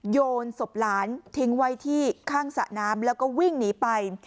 โยนศพหลานทิ้งไว้ที่ข้างสระน้ำแล้วก็วิ่งหนีไป